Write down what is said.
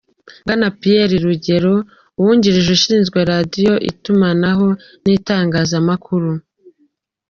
Bwana Pierre Rugero, Uwungirije Ushinzwe Radio, itumanaho n’itangazamakuru